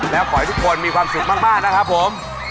แล้วขอให้ทุกคนมีความสุขมากนะครับผม